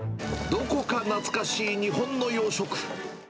どこか懐かしい日本の洋食。